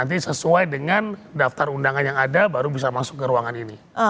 jadi sesuai dengan daftar undangan yang ada baru bisa masuk ke ruangan ini